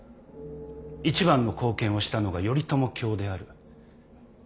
一番の貢献をしたのが頼朝卿である。